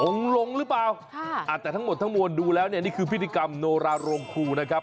องค์หลงหรือเปล่าแต่ทั้งหมดทั้งมวลดูแล้วนี่คือพิธีกรรมโนราโรงครูนะครับ